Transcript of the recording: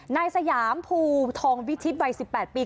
ในสย่าพูทองวิธิวัยสิบแปดปี